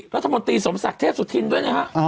รัฐมนตรีสมศักดิ์เทพสุธินด้วยนะฮะ